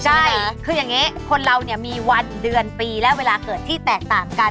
ใช่คืออย่างนี้คนเราเนี่ยมีวันเดือนปีและเวลาเกิดที่แตกต่างกัน